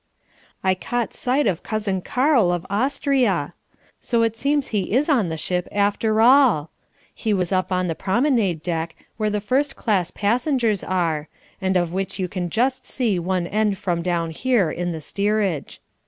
I caught sight of Cousin Karl of Austria! So it seems he is on the ship after all. He was up on the promenade deck where the first class passengers are, and of which you can just see one end from down here in the steerage.